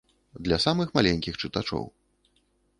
Для самых маленькіх чытачоў.